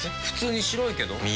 普通に白いけど。